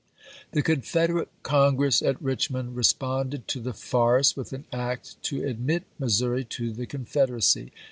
The Confederate Congress at Richmond re sponded to the farce with an act to admit Mis souri to the Confederacy.